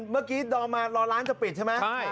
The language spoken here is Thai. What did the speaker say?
เมื่อกี้ดอมมารอร้านจะปิดใช่ไหม